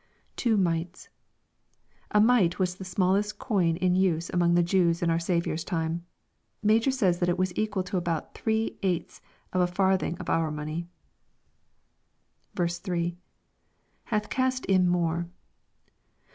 [Two mites.] A mite was the smallest coin in use among the Jews in our Saviour's time. Major says that it wais equal to about three eighths of a farthing of our money. 3. — {Sd^ cast in more.